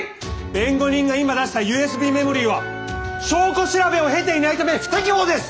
弁護人が今出したＵＳＢメモリーは証拠調べを経ていないため不適法です！